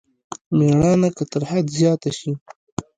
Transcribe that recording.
مېړانه که تر حد زيات شي.